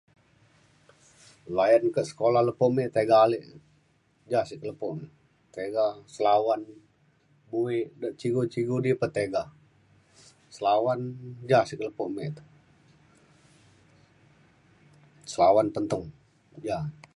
Layan ka sekolah ame tiga alek ja sekolah lepo tiga selawan bui cikgu cikgu pun tiga selawan ja lepo mek selawan [unintelligible]